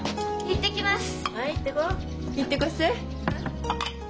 行ってきます。